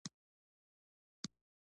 یو سل او یو نوي یمه پوښتنه د بخشش آمر دی.